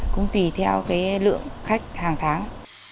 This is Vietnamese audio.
cũng tùy theo cái lượng khách hàng tháng